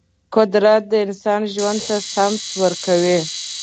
قدرت د انسان ژوند ته سمت ورکوي.